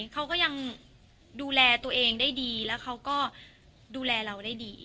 เขาก็ยังดูแลตัวเองได้ดีแล้วเขาก็ดูแลเราได้ดี